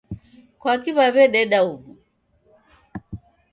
Kwaki waweadeda huw'o?